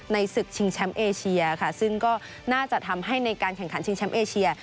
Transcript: ศึกชิงแชมป์เอเชียค่ะซึ่งก็น่าจะทำให้ในการแข่งขันชิงแชมป์เอเชีย